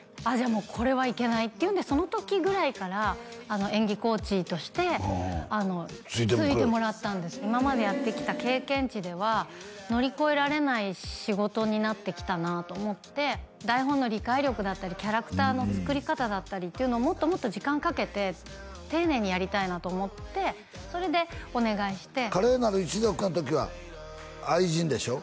もうこれはいけないっていうんでその時ぐらいから演技コーチとしてついてもらったんです今までやってきた経験値では乗り越えられない仕事になってきたなと思って台本の理解力だったりキャラクターの作り方だったりっていうのをもっともっと時間かけて丁寧にやりたいなと思ってそれでお願いして「華麗なる一族」の時は愛人でしょ？